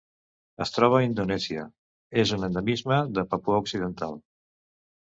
Es troba a Indonèsia: és un endemisme de Papua Occidental.